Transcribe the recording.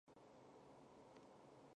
拉维尼。